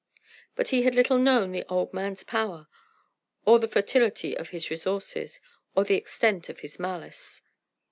But he had little known the old man's power, or the fertility of his resources, or the extent of his malice.